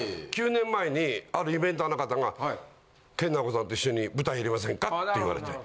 ９年前にあるイベンターの方が研ナオコさんと一緒に舞台やりませんかって言われて。